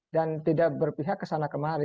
dan tidak berpihak kesana kemari